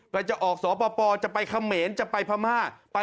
มันจะออกสอป่อจะไปเขมรจะไปพม่า